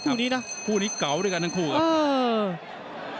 คู่นี้นะคู่นี้เก่าด้วยกันทั้งคู่ครับ